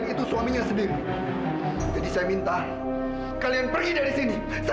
bisa dimaksudkan disinilah